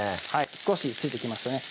少しついてきましたね